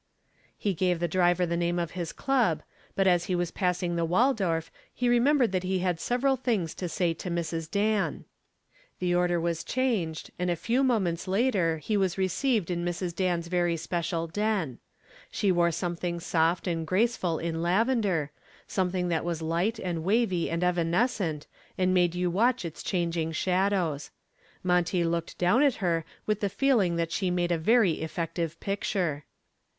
He gave the driver the name of his club, but as he was passing the Waldorf he remembered that he had several things to say to Mrs. Dan. The order was changed, and a few moments later he was received in Mrs. Dan's very special den. She wore something soft and graceful in lavender, something that was light and wavy and evanescent, and made you watch its changing shadows. Monty looked down at her with the feeling that she made a very effective picture.